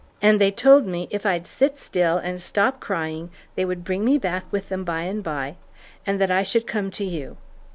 And they told me if I'd sit still and stop crying they would bring me back with them by and by, and that I should come to you.